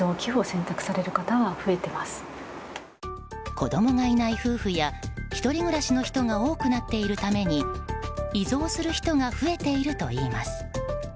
子供がいない夫婦や１人暮らしの人が多くなっているために遺贈する人が増えているといいます。